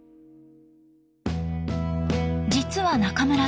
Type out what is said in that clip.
実は中村さん